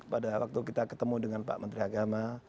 pada waktu kita ketemu dengan pak menteri agama